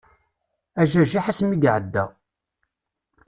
Ajajiḥ ass mi iɛedda.